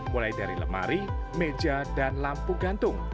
mulai dari lemari meja dan lampu gantung